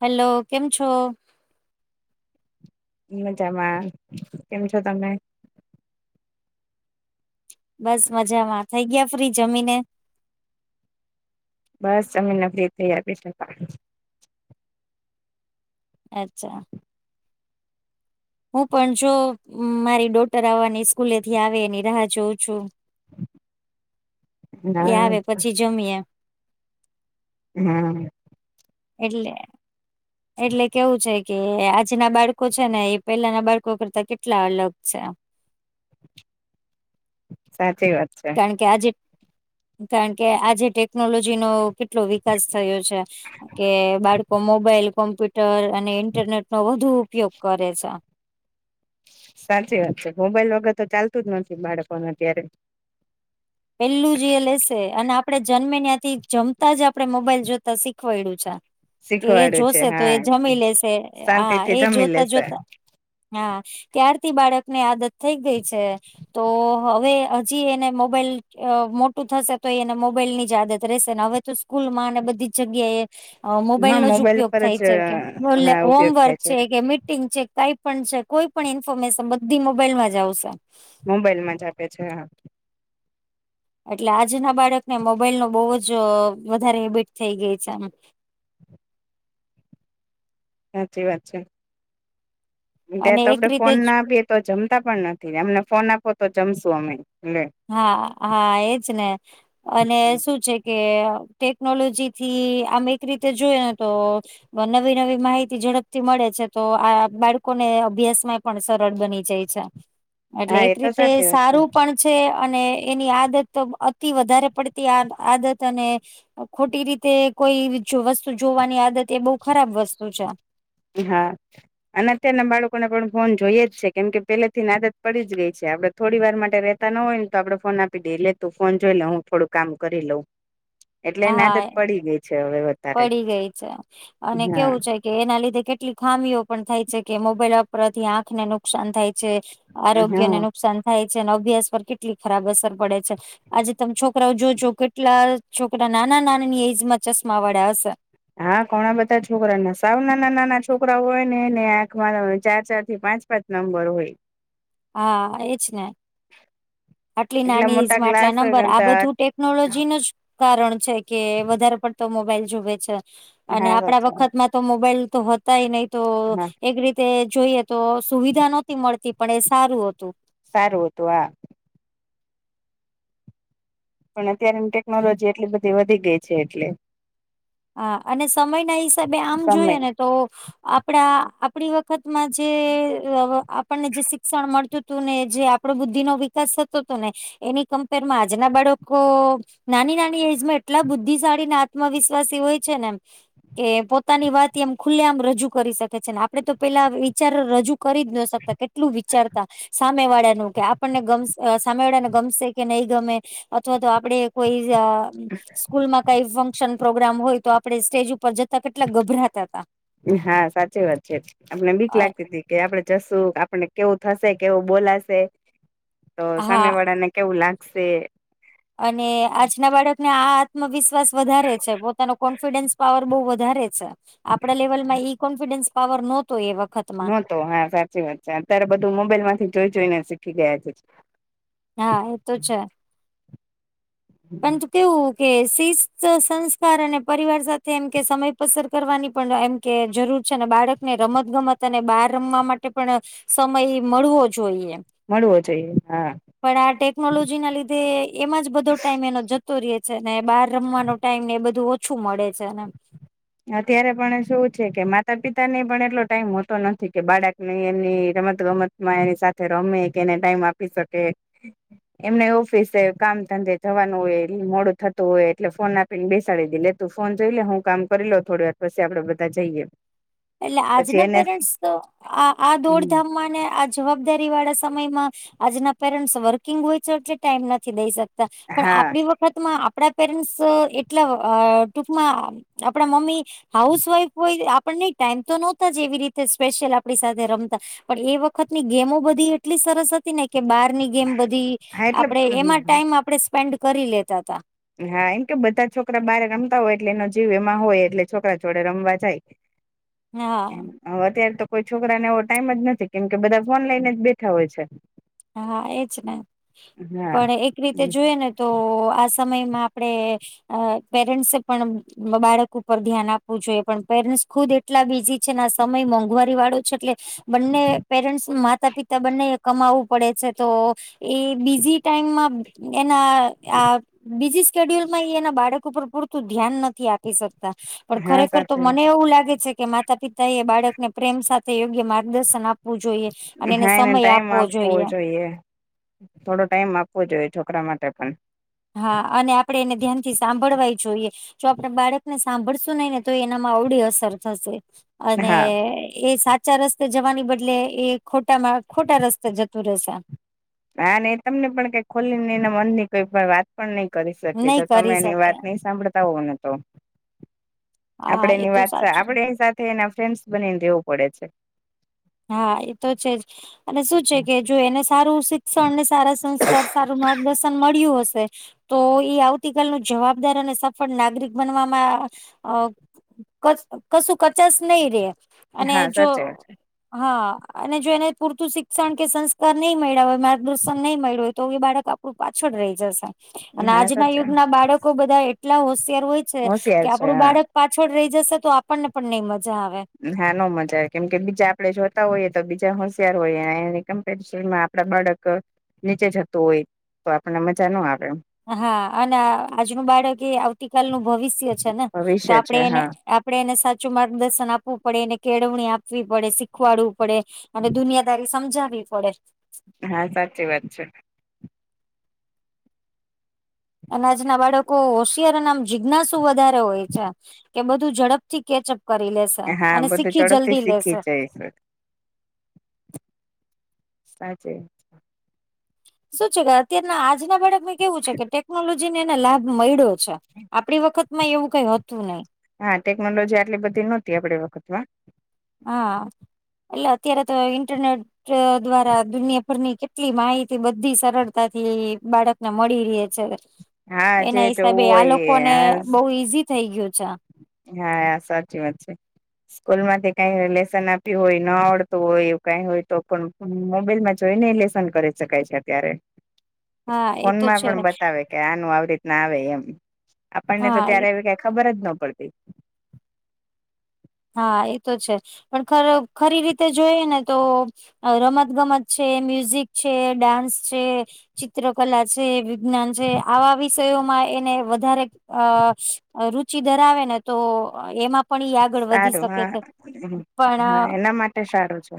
Hello કેમ છો. મજામાં કેમ છો તમે. બસ મજામાં થઈ ગયા ફ્રી જમીને. બસ અમે નફરી થઇ આપી શક. અચ્છા. હું પણ જો મારી ડોટર આવવાની સ્કૂલે થી આવે એની રાહ જોઉં છું. એ ના આવે પછી જમી એમ. હા. એટલે એટલે કેવું છે. કે આજના બાળકો છે ને એ પેલાના બાળકો કરતા કેટલા અલગ છે. સાચી વાત છે. કારણ કે આજે કારણ કે આજે ટેકનોલોજી નો કેટલો વિકાસ થયો છે. કે બાળકો મોબાઈલ કોમ્પ્યુટર અને ઇન્ટરનેટ નો વધુ ઉપયોગ કરે છે. સાચી વાત છે મોબાઈલ વગર તો ચાલતું જ નથી બાળકોને અત્યારે. પેલું જ એ લેશે અને આપડે જન્મે ન્યાથી. જમતા જ આપડે મોબાઈલ જોતા શીખવાડ્યું છે. કે એ શીખવાડું છે જોશે તો એ હા જમી લેશે શાંતિ હા થી એ જમી જોતા લેશે જોતા. હા ત્યારથી બાળક ને આદત થઈ ગઈ છે. તો હવે હજી એને મોબાઈલ. અ મોટું થશે તો એને મોબાઈલ ની જ આદત રહેેશે ને હવે તો સ્કૂલ માં અને બધી જ જગ્યા એ. મોબાઈલ હા નો જ ઉપયોગ પર થાય જ છે કે હા ઉપયોગ હોમવર્ક થાય છે કે મ. છે કઈ પણ છે કોઈ પણ ઇન્ફોમેશન બધી મોબાઈલમાં જ આવશે. મોબાઈલમાં જ આપે છે હા. એટલે આજના બાળકને મોબાઈલ નો બહુ જ વધારે હેબિટ થઈ ગઈ છે આમ. સાચી વાત છે. અને ત્યાં તો આપડે એક રીતે ફોન જ ના આપીએ તો જમતા પણ નથી અમને ફોન આપો તો જમશું અમે લે. હા હા એજ ને. અને શું છે કે ટેકનોલોજી થી આમ એક રીતે જોય તો. નવી નવી માહિતી ઝડપથી મળે છે તો આ બાળકોને અભ્યાસ માં પણ સરળ બની જાય છે. એટલે હા એક એ તો રીતે સાચી વાત સારું છે પણ. છે અને એની આદત તો અતિ વધારે પડતી આદત અને ખોટી રીતે કોઈ વસ્તુ જોવાની આદત એ બહુ ખરાબ વસ્તુ છે. હા. અને અત્યારના બાળકોને પણ ફોન જોઈએ જ છે કેમ કે પેલે થીને આદત પડી જ ગઈ છે આપડ. થોડી વાર માટે રહેતા ના હોય ને તો આપડે ફોન આપી દે લેતું ફોન જોઈ લઉ હું થોડું કામ કરી લઉં. હ. એટલે નાટક પડી ગઈ છે હવે બધા પડી ગઈ છે અને કેવું છે કે એના લીધે કેટલી ખામીઓ પણ થાય છે કે મોબાઈલ વાપરવાથી આંખને નુકસાન થાય છે આરોગ્યને હા નુકસાન થાય છે અને અભ્યાસ પર કેટલી ખરાબ અસર પડે છે. આજે તમે છોકરાઓ જોજો કેટલા છોકરા નાના નાનાની એજમાં ચશ્મા વાળા હશે. હા ઘણા બધા છોકરા ના સાવ નાના નાના છોકરા હોય ને ને આંખમાં ચાર ચાર થી પાંચ પાંચ નંબર હોય. હા એજ ને. આટલી એટલા નાની એજ મોટા માં આટલા ગ્લાસ હોય નંબર આ ને બધું ટેકનોલોજી નું જ કારણ છે કે વધારે પડતો મોબાઈલ જુવે છે. અને હા આપડા સાચા વખતમાં તો મોબાઈલ તો હતાય નહી તો હા એક રીતે જોઈએ તો સુવિધા નહોતી મળતી પણ એ સારું હતું. સારું હતું હા પણ અત્યારેની ટેકનોલોજી એટલી બધી વધી ગઈ છે એટલે હા અને સમય ના હિસાબે આમ સમય જોઈએ ને તો આપણા આપણી વખતમાં જે આપણને જે શિક્ષણ મળતું ને જે આપડો બુદ્ધિ નો વિકાસ થતો હતો ને એની કમ્પેરમાં આજના બાળકો નાની નાની એજમાં એટલા બુદ્ધિશાળીને આત્મવિશ વાસી હોય છે ને એમ કે પોતાની વાત એમ ખુલ્લે આમ રજૂ કરી શકે છે ને આપડે તો પેલા વિચાર રજૂ કરી જ ન શકતા કે એટલું વિચારતા સામે વાળાનું કે આપણને સામે વાળાને ગમશે કે નહીં ગમે અથવા તો આપડે કોઈ સ્કૂલમાં કઈ ફંક્શન પ્રોગ્રામ હોય તો આપણે સ્ટેજ ઉપર જ હા સાચી વાત છે આપને બીક હતા લાગતી હતી. કે આપડે જશું આપને કેવું થશે કેવું બોલાશે તો સામે હા વાળા ને કેવું લાગશે અને આજના બાળકને આ આત્મવિશ્વાસ વધારે છે પોતાનો કો ન્ફિડન્સ પાવર બહુ વધારે છે આપડા લેવલ માં ઈ કોન્ફિડન્સ પાવર નહોતો એ વખત નતો હા સાચી વાત છે અત્યારે બધું મોબાઈલ માંથી જોઈ જોઈને શીખી ગયા છે. હા એ તો છે. પરંતુ કેવું કે શિસ્ત સંસ્કાર અને પરિવાર સાથે એમ કે સમય પસાર કરવાની પણ એમ કે જરૂર છે અને બાળકને રમત ગમત અને બાર રમવા માટે પણ સમય મળવો જોઈએ. મળવો જોઈએ હા પણ આ ટેકનોલોજી ના લીધે એમાં જ બધો ટાઈમ એનો જતો રયો છે ને બહાર રમવાનો ટાઈમ ને એ બધું ઓછું મળે છે એને અત્યારે પણ શું છે કે માતા પિતા ને પણ એટલો ટાઈમ હોતો નથી કે બાળક ની એમની રમત ગમત માં એની સાથે રમે કે એને ટાઈમ આપી શકે એમને ઓફિસે કામ ધંધે જવાનું હોય મોડું થતું હોય એટલે ફોન આપી ને બેસાડી દી લે તું ફોન જોઈ લે હું કામ કરી લઉ થોડી વાર પછી આપડે બધા જઈએ. એટલે પછી આજના એને પેરેન્ટ્સ તો આ આ આ દોડ ધામ માંને જવાબદારી વાળા સમયમાં આજના પેરેન્ટસ વર્કિંગ હોય છે એટલે ટાઈમ નથી દઈ શક તા પણ હા આપણી વખ વખતમાં આપડા પેરેન્ટ્સ એટલા ટૂકમાં આપડા મમ્મી હાઉસ વાઈફ હોય આપણ ને ટાઈમ તો નહોતો જ એવી રીતે સ્પેશિયલ આપણી સાથે રમતા પણ એ વખતની ગેમો બધી એટલી સરસ હતી ને કે બારની ગેમ બધી હા એટલે આપડે એમાં ટાઈમ આપણેે સ્પેન્ડ કરી લેતાતા હા એમ કે બધા છોકરા બાર રમતા હોય એટલે એનો જીવ એમાં હોય એટલે છોકરા જોડે રમવા જાય. હા હ અત્યારે તો કોઈ છોકરાને એવો ટાઈમ જ નથી કેમકે બધા ફોન લઈને જ બેઠા હોય છે. હા એજ ને હા પણ એક રીતે જોઈ ને તો આ સમયમાં આપણેે અ પેરેન્ટ્સે પણ બાળક ઉપર ધ્યાન આપવું જોઈએ પણ પેરેન્ટ્સ ખુદ એટલા બીજી છે સમય મોંઘવારી વાળો છે એટલે બંને પેરેન્ટ્સ માતા પિતા બંને કમાવું પડે છે તો એ બીજી ટાઈમમાં એના બીજી સ્ેડ્યુલમાં એના બાળકો પર પૂરતું ધ્યાન નથી આપ શકતા પણ હા ખરેખર તો સાચી વાત મને છે. એવું લાગે છે કે માતા પિતા એ બાળકને પ્રેમ સાથે યોગ્ય માર્ગદર્શન આપવું જોઈએ અને એને હા સમય ટાઈમ આપવો જોઈએ. આપવો જોઈએ થોડો ટાઈમ આપવો જોઈએ છોકરા માટે પણ હા અને આપડે એને ધ્યાન થી સાંભળવા જોઈએ. જો આપડે બાળકને સાંભળશું નહી ને તો એનામાં આવડી અસર થશે. અને હા એ સાત સાચા રસ્તે જવાની બદલે એ ખોટા ખોટા રસ્તે જતું રહેશે. હા ને એ તમને પણ કઈ ખોલી ને એના મન ની કોઈ પણ વાત પણ નહી કરી શકે નહી જો તમે કરી એની શકે વાત નહી સાંભળતા હોવ ને તો હા આપડે એ એની તો વાત છે સાચું. આપડે એની સાથે એના ફન્ડ બનીને દેવું પડે છે. હા એ તો છે જ અને શું છે કે જો એને સારું શિક્ષણ સારા સંસ્કાર સારું માર્ગદર્શન મળ્યું હશે. તો એ આવતીકાલ ન જવાબદાર અને સફળ નાગરિક બનવામાં કશું કચાાસ નહીિ રે અને હા જો સાચી વાત હા અને જો એને પૂરતું શિક્ષણ કે સંસ્કાર નહી મળ્યા હોય માર્ગદર્શન નહી મળ્યું હોય. તો એ બાળક આપણું પાછળ રહી જશે છે અને હા આજના સાચી વાત યુગના બાળકો બધા એટલા હોશિયાર હોય. હોશિયાર કે છે આપડું બાળક હા પાછળ રહી જશે તો આપણને પણ નઈ મજા આવે. હા નો મજા આવે કેમ કે બીજા આપડે જોતા હોઈએ તો બીજા હોશિયાર હોયએ એનીમ્પેરનમાં આપડા બાળક નીચે જતું હોય તો આપણે મજા ન આવે એમ હા અને આજનું બાળક એ આવતીકાલનું ભવિષ્ય છે ને તો ભવિષ્ય છે આપડે એને હા આપ એને સાચું માર્ગદર્શન આપવું પડે એને કેળવણી આપવી પડે. શીખવાડવું પડે અને દુનિયાદારી સમજાવવી પડે. હા સાચી વાત છે. અનાજના બાળકો હોશિયાર નામ જિજ્ઞાસુ વધારે હોય છે. કે બધું ઝડપથી કેચઅપ કરી લેશે હા અને બધું શીખી ઝડપથી જલ્દી શીખી લેશે. જઈશું સા છે. શું છે કે અત્યારના આજના બાળકમાં કેવું છે કે ટેકનોલોજી ને એને લાભ મળ્યો આપણી વખત માં એવું કઈ હતું નહીિ હા ટેકનોલોજી આટલી બધી નહોતી આપણી વખત માં હા એટલે અત્યારે તો ઇન્ટરનેટ દ્વારા દુનિયાભરની કે એટલી માહિતી બધી સરળતાથી બાળક ને મળી ર છે. હા એના જે હિસાબે જોવું આ હોય લોકો એ ને હા બહુ ઈઝી થઈ ગયું છે. હા સાચી વા છે. સ્કૂલ માંથી કઈ લેસન આપ્યું હોય ન આવડતું હોય એ કઈ હોય તો પણ મોબાઈલમાં જોઈને એ લેસન કરી શકાય છે અત્યારે હા એ તો ફોનમાં છે પણ બતાવે કે આનું આવી રીતના આવે એમ આપણને તો હા ત્યારે એવી કઈ ખબર જ ન પડતી. હા એ તો છે પણ ખ ખરી રીતે જોઈ ને તો રમત ગમત છે મ્યુઝિક છે ડાન્સ છે ચિત્ર કલા છે વિજ્ઞાન છે આવા વિષયોમાં એને વધારે અ રુચિ ધરાવે ને તો એમાં પણ આગળ વધી સારું શકે હા છે. હા પણ એના માટે સારું છે.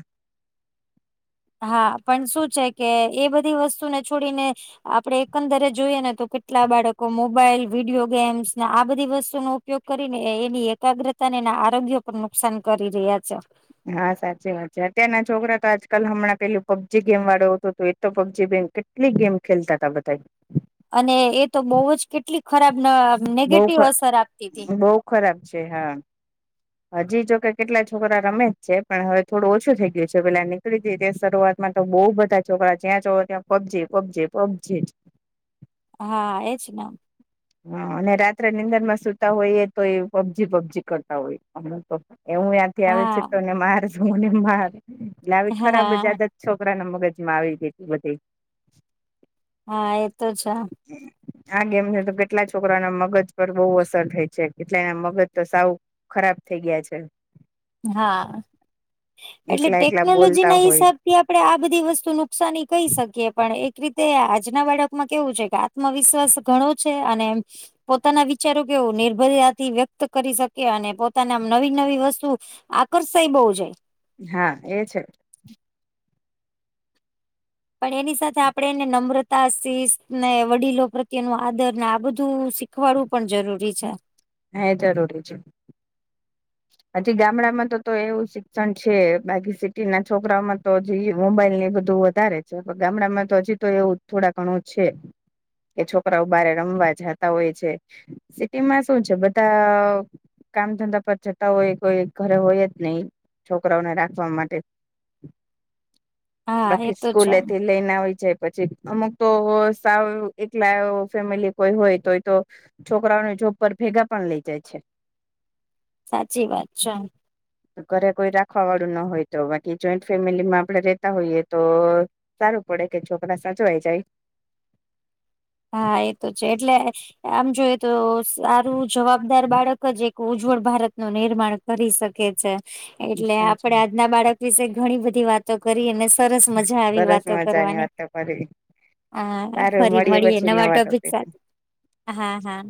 હા પણ શું છે કે એ બધી વસ્તુને છોડીને આપડે એકંદરે જોઈએ ને તો કેટલા બાળકો મોબાઈલ વિડીિયો ગેમ્સ ને આ બધી વસ્તુ ન ઉપયોગ કરીને એની એકાગ્રતા ને એના આરોગ્ય પર નુકસાન કરી રહ્યા છે હા સાચી વાત છે અત્યારના છોકરા તો આજકાલ હમણાં પેલું પબજી ગેમ વાળો હતું હતું એ તો પબજી ગેમ કેટલી ગેમ ખેલતા હતા બધા અને એ તો બહુ જ કેટલી ખરાબ બઉ નેગેટિવ અસર આપતી હતી બહુ ખરાબ છે હા હજી જો કે કેટલા છોકરા રમે જ છે પણ હવે થોડું ઓછું થઈ ગયું છે પેલા ની ક શરૂઆતમાં તો બઉુ બધા છોકરા જ્યાં જો ત્યાં પબજી પબજી પબજી જ હા એજ હા અને રાત્રે નીંદણ માં સુતા હોય એ તો એ પબજી પબજી કરતા હોય હમણા એ હું ત્યાં થી આવે છે હા તોને માર હુંને માર એટલે આવી હા ખરાબજાદ છોકરા ના મગજમાં આવી ગું બધી હા એતો છે આે એમને તો ગ એટલા છોકરાના મગજ પર બહુ અસર થઈ છે એટલે એના મગજ તો સાવ ખરાબ થઇ ગયા છે હા એટલે એકલા એકલા ટેકનોલોજી બોલતા ના હોય હિસાબ થી આપણેે આ બધી વસ્તુ નુકસાની કહી શકીએ પણ એક રીતે આજના બાળકમાં કેવું છે કે આત્મવિશ્વાસ ઘણો છે અને પોતાના વિચારો કેવું નિર્ભયતાથી વ્યક્ત કરી શકે અને પોતાને આમ નવી નવી વસ્તુ આકર્ષાય બહુ જાય હા એ છે પણ એની સાથે આપડે એને નમ્રતા શિ ને વડીલો પ્રત્યેનું આદર ને આ બધું શીખવાડવું પણ જરૂરી છે હે જરૂરી છે હજી ગામડામાં તો તો એવું શિક્ષણ છે બાકી સિટી ના છોકરાઓમાં તો હજી મોબાઈલ ને બધું વધારે છે ગામડામાં તો હજી તો એવું થોડા ઘણું છે એ છોકરાઓ બારે રમવા જતા હોય છે સિટી માં શું છે બધા કામ ધંધા પર હોય કોઈ ઘરે હોય જ નહી છોકરાઓને રાખવા માટે હા એ બાકી તો સ્કૂલ છે લઈને આવી જાય પછી અમુક તો સાવ એકલા ફેમિલી કોઈ હોય તોય તો છોકરાઓને જોબ પર ભેગા પણ લઇ જાય છે સાચી વાત છે ઘરે કોઈ રાખવા વાળું ના હોય તો બાકી જોઈન્ટ ફેમિલીમાં આપડે રેતા હોઈએ તો સારું પડે કે છોકરા સાચવાય જાય હા એ તો છે એટલે આમ જોયએ તો સારું જવાબદાર બાળક જ ઉજ્જવળ ભારત નું નિર્માણ કરી શકે છે એટલે આપડે સાચું આજના બાળક વિશે ઘણી બધી વાતો કરી અને સરસ મજા આવી સરસ વાતો મજાની કરવાની વાતો કરી હ ફરી મળીએ નવા ટોપિક સાથે હા હા